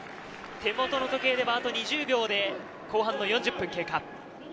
手元の時計ではあと２０秒で後半の４０分経過。